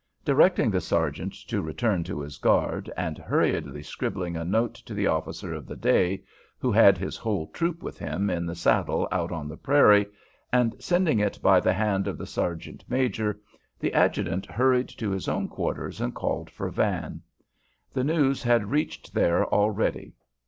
Directing the sergeant to return to his guard, and hurriedly scribbling a note to the officer of the day, who had his whole troop with him in the saddle out on the prairie, and sending it by the hand of the sergeant major, the adjutant hurried to his own quarters and called for Van. The news had reached there already.